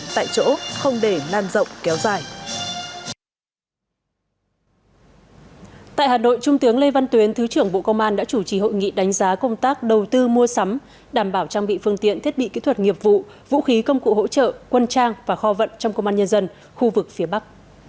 tại hà nội trung tướng lê văn tuyến thứ trưởng bộ công an đã chủ trì hội nghị đánh giá công tác đầu tư mua sắm đảm bảo trang bị phương tiện thiết bị kỹ thuật nghiệp vụ vũ khí công cụ hỗ trợ quân trang và kho vận trong công an nhân dân khu vực phía bắc